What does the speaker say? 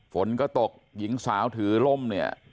ฝนก็ตกหญิงสาวถือร่มเนี่ย